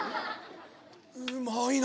うまいな！